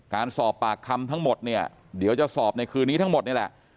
การสอบปากคำทั้งหมดเนี่ยเดี๋ยวจะสอบในคืนนี้ทั้งหมดนี่แหละ